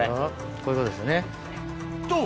こういうことですよね。と！